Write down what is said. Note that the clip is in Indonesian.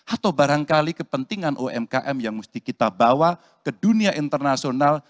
atau barangkali kepentingan umkm yang mesti kita bawa ke dunia internasional